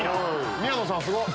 宮野さんすごっ！